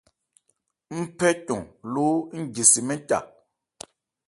Ń phɛ cɔn lóó ń je se mɛ́n ca.